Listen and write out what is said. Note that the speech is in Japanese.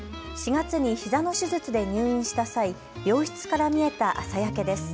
４月にひざの手術で入院した際、病室から見えた朝焼けです。